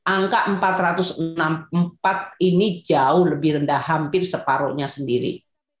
angka empat ratus enam puluh empat ini jauh lebih rendah hampir separuhnya sendiri